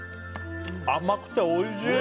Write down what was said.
甘くておいしい。